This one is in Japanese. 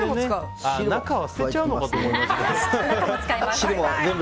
中は捨てちゃうのかと思いました。